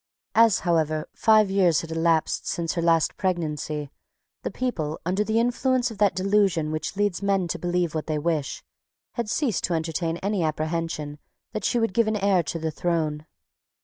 As, however, five years had elapsed since her last pregnancy, the people, under the influence of that delusion which leads men to believe what they wish, had ceased to entertain any apprehension that she would give an heir to the throne.